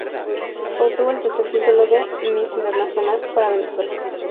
Obtuvo el tercer título de "Miss Internacional" para Venezuela.